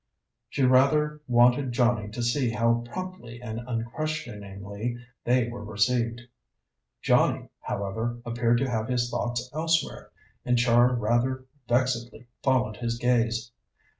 She rather wanted Johnnie to see how promptly and unquestioningly they were received. Johnnie, however, appeared to have his thoughts elsewhere, and Char rather vexedly followed his gaze.